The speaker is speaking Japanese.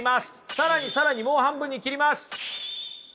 更に更にもう半分に切ります。